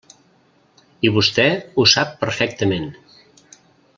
I vostè ho sap perfectament.